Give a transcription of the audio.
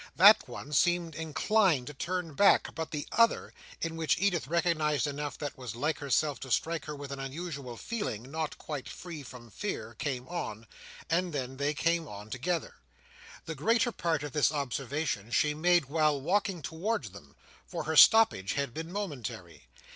That one seemed inclined to turn back, but the other, in which Edith recognised enough that was like herself to strike her with an unusual feeling, not quite free from fear, came on; and then they came on together. The greater part of this observation, she made while walking towards them, for her stoppage had been momentary.